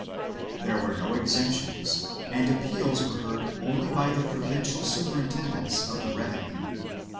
There were no exemptions and appeals were heard only by the provincial superintendents of the revenue.